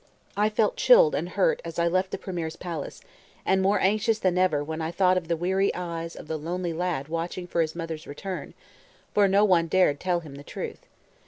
I felt chilled and hurt as I left the premier's palace, and more anxious than ever when I thought of the weary eyes of the lonely lad watching for his mother's return; for no one dared tell him the truth.